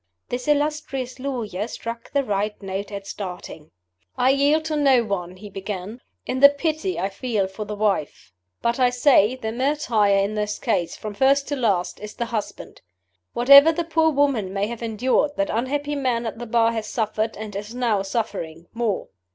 This illustrious lawyer struck the right note at starting. "I yield to no one," he began, "in the pity I feel for the wife. But I say, the martyr in this case, from first to last, is the husband. Whatever the poor woman may have endured, that unhappy man at the Bar has suffered, and is now suffering, more.